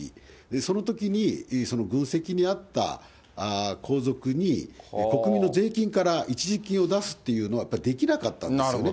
そのときにその軍籍にあった皇族に国民の税金から一時金を出すっていうのは、やっぱりできなかったんですよね。